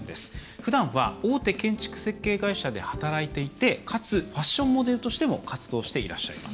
ふだんは、大手建築設計会社で働いていてかつファッションモデルとしても活動していらっしゃいます。